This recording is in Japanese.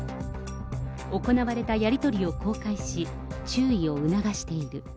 行われたやり取りを公開し、注意を促している。